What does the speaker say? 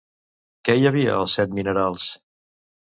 Què hi havia als set minerals?